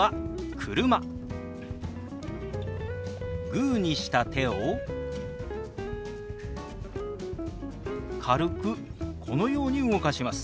グーにした手を軽くこのように動かします。